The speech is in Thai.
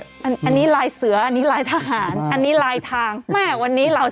อันนี้ลายเสืออันนี้ลายทหารอันนี้ลายทางแม่วันนี้เรา